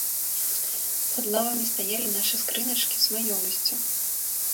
Пад лавамі стаялі нашы скрыначкі з маёмасцю.